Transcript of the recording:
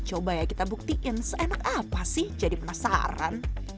coba ya kita buktiin seenak apa sih jadi penasaran